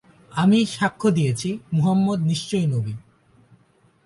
আমি সাক্ষ্য দিয়েছি, মুহাম্মাদ নিশ্চয়ই নবী।